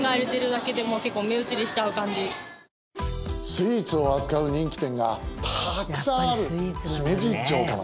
スイーツを扱う人気店がたくさんある姫路城下町。